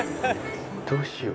どうしよう。